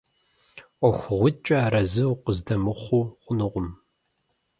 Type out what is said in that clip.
ӀуэхугъуитӀкӀэ арэзы укъыздэмыхъуу хъунукъым.